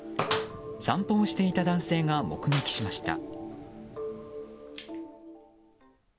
散歩をしていた男性が目撃しました。